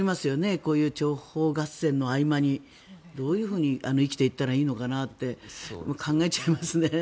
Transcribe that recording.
こういう諜報合戦の合間にどういうふうに生きていったらいいのかなって考えちゃいますね。